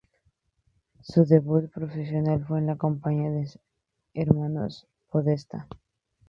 Su debut profesional fue en la compañía de los hermanos Podestá.